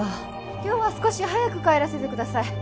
今日は少し早く帰らせてください。